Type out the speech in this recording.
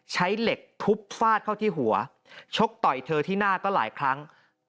ใช้เหล็กทุบฟาดเข้าที่หัวชกต่อยเธอที่หน้าก็หลายครั้ง